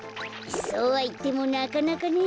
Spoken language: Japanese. そうはいってもなかなかね。